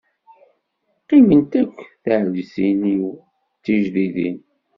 Qqiment akk tɛelǧtin-iw d tijdidin.